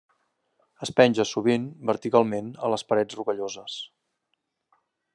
Es penja, sovint, verticalment a les parets rocalloses.